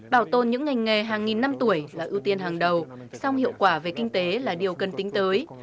bảo tồn những ngành nghề hàng nghìn năm tuổi là ưu tiên hàng đầu song hiệu quả về kinh tế là điều cần tính tới